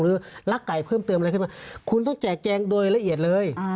รักไก่เพิ่มเติมอะไรขึ้นมาคุณต้องแจกแจงโดยละเอียดเลย